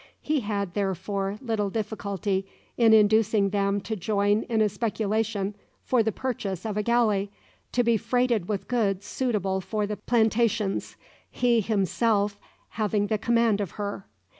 He had, therefore, little difficulty in inducing them to join in a speculation for the purchase of a galley, to be freighted with goods suitable for the plantations, he himself having the command of her.